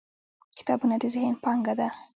• کتابونه د ذهن پانګه ده.